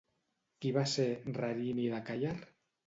Qui va ser Rarimi de Càller?